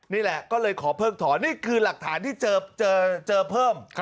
นี่แหละก็เลยขอเพิกถอนนี่คือหลักฐานที่เจอเพิ่ม